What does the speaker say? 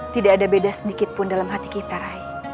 tidak ada beda sedikit pun dalam hati kita rai